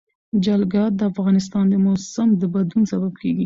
جلګه د افغانستان د موسم د بدلون سبب کېږي.